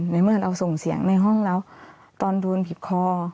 ในเมื่อเราส่งเสียงในห้องแล้วตอนโดนผิดคอ